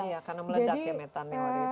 iya karena meledak ya metan ya waktu itu